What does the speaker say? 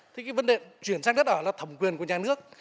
thì cái vấn đề chuyển sang đất ở là thẩm quyền của nhà nước